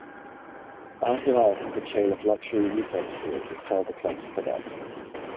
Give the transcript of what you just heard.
Al-Hilal has a chain of luxury retail stores that sell the club's products.